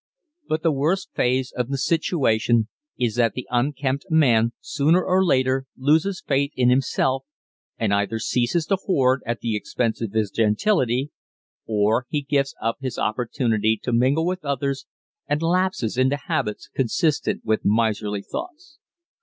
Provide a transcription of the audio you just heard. But the worst phase of the situation is that the unkempt man sooner or later loses faith in himself and either ceases to hoard at the expense of his gentility or he gives up his opportunity to mingle with others and lapses into habits consistent with miserly thoughts.